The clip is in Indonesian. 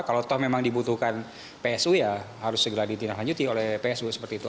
kalau memang dibutuhkan psu ya harus segera ditindaklanjuti oleh psu seperti itu